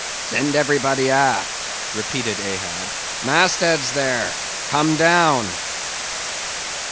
"Send everybody aft," repeated Ahab. "Mast heads, there! come down!"